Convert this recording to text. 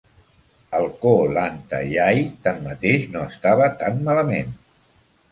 El Ko Lanta Yai, tanmateix, no estava tan malament.